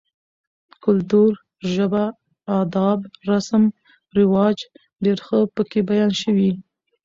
کلتور, ژبه ، اداب، رسم رواج ډېر ښه پکې بيان شوي